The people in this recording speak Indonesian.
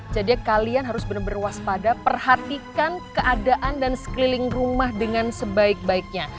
jadi ya kalian harus benar benar waspada perhatikan keadaan dan sekeliling rumah dengan sebaik baiknya